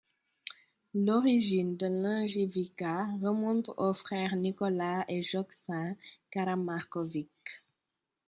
L'origine de Lunjevica remonte aux frères Nikola et Joksim Karamarković.